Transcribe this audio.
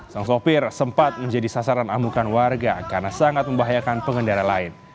sang sopir sempat menjadi sasaran amukan warga karena sangat membahayakan pengendara lain